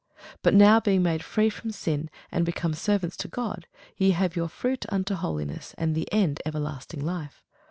But now being made free from sin, and become servants to God, ye have your fruit unto holiness, and the end everlasting life.